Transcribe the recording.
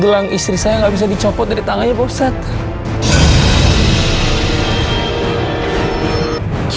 gelang istri saya gak bisa dicopot dari tangannya pak ustadz